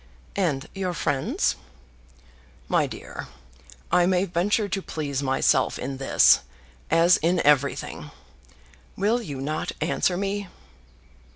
"And your friends?" "My dear, I may venture to please myself in this, as in everything. Will you not answer me?"